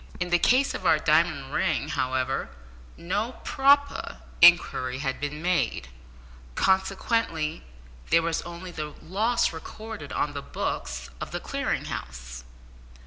In the case of our diamond ring, however, no proper inquiry had been made, consequently there was only the loss recorded on the books of the Clearing House.